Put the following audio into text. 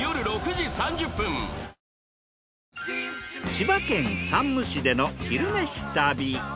千葉県山武市での「昼めし旅」。